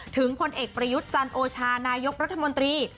พลเอกประยุทธ์จันโอชานายกรัฐมนตรี